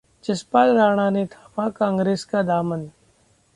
जसपाल राणा ने थामा कांग्रेस का दामन